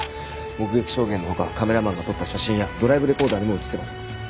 目撃証言の他カメラマンが撮った写真やドライブレコーダーにも映ってます。